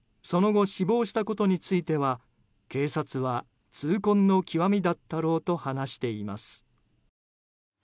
その後、死亡したことについては警察は痛恨の極みだったろうと話しています。